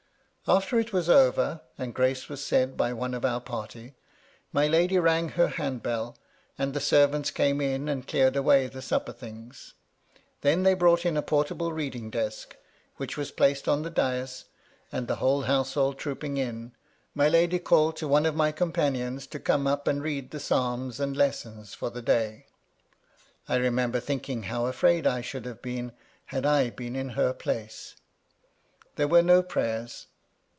After it was over, and grace was said by one of our party, my lady rang her hand bell, and the servants came in and cleared away the supper things : then they brought in a portable read ing desk, which was placed on the dais, and, the whole household trooping in, my lady called to one of my companions to come up and read the Psalms and 2 28 MY LADY LUDLOW. Lessons for the day. I remember thinkiiig how afraid I should have been had I been in her place. There were no prayers.